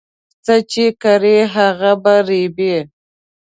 څه چې کرې هغه به ریبې